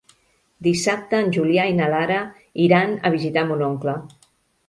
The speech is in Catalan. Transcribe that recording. Dissabte en Julià i na Lara iran a visitar mon oncle.